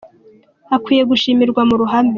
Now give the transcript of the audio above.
Akwiye gushimirwa mu ruhame